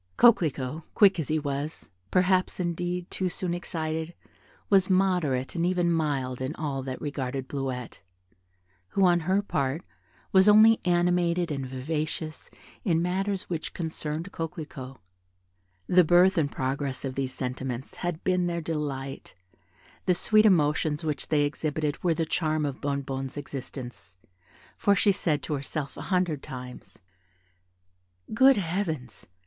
Coquelicot, quick as he was, perhaps, indeed, too soon excited, was moderate and even mild in all that regarded Bleuette, who on her part, was only animated and vivacious in matters which concerned Coquelicot. The birth and progress of these sentiments had been their delight; the sweet emotions which they exhibited were the charm of Bonnebonne's existence, for she said to herself a hundred times, "Good Heavens!